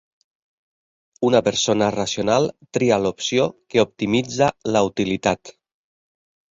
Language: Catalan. Una persona racional tria l'opció que optimitza la utilitat.